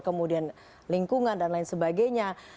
kemudian lingkungan dan lain sebagainya